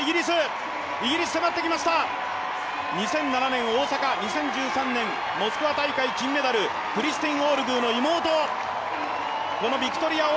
２００７年大阪、２０１３年モスクワ大会金メダル、クリスティン・オールグーの妹。